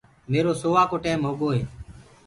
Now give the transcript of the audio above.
ميرو سووآ ڪو ٽيم هوگو هي